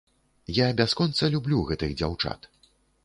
Я бясконца люблю гэтых дзяўчат.